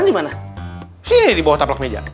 sini dibawah tablak meja